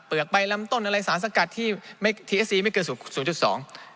เปลือกใบลำตนอะไรสารสกัดที่ทีเอสซีไม่เกินสูงจุดสอง